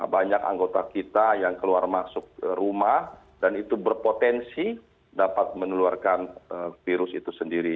banyak anggota kita yang keluar masuk rumah dan itu berpotensi dapat meneluarkan virus itu sendiri